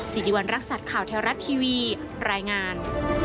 สิริวัณรักษัตริย์ข่าวแท้รัฐทีวีรายงาน